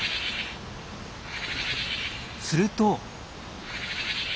すると。